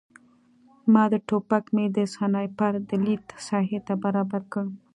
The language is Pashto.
ما د ټوپک میل د سنایپر د لید ساحې ته برابر کړ